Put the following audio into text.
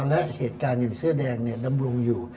และเหตุการณ์อย่างเสื้อแดงดำรุงอยู่